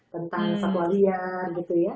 tentang satu alian gitu ya